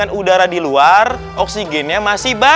untuk daftar alasan airnya